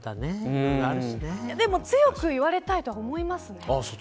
でも強く言われたいと思いますね。